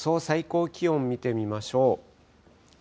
最高気温見てみましょう。